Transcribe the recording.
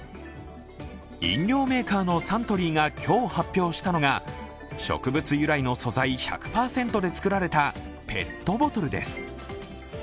飲料メーカーのサントリーが今日発表したのが、植物由来の素材１００％で作られたペットボトルです。